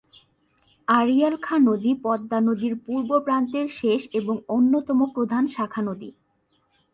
আড়িয়াল খাঁ নদী পদ্মা নদীর পূর্বপ্রান্তের শেষ এবং অন্যতম প্রধান শাখানদী।